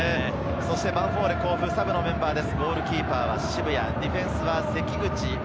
ヴァンフォーレ甲府のサブのメンバーです。